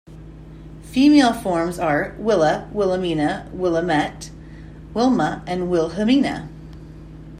Female forms are Willa, Willemina, Willamette, Wilma and Wilhelmina.